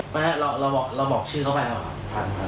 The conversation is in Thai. ไม่เราบอกชื่อเขาไปหรือเปล่าฟัน